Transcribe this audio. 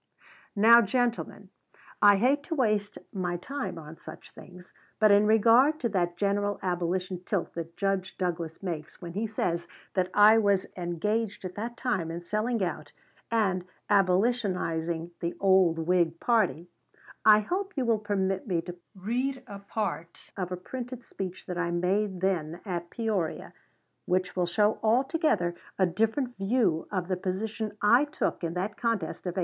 Now, gentlemen, I hate to waste my time on such things, but in regard to that general Abolition tilt that Judge Douglas makes when he says that I was engaged at that time in selling out and Abolitionizing the old Whig party, I hope you will permit me to read a part of a printed speech that I made then at Peoria, which will show altogether a different view of the position I took in that contest of 1854.